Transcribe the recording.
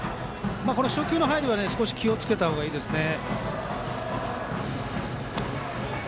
初球の入り気をつけた方がいいですね。